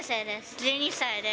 １２歳です。